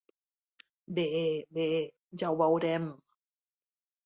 Bé, bé, ja ho veurem!